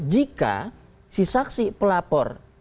jika si saksi pelapor